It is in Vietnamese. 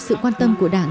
sự quan tâm của đảng